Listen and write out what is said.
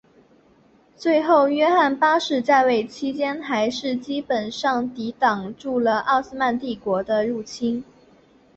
最后约翰八世在位期间还是基本上抵挡住了奥斯曼帝国的入侵。